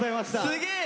すげえ！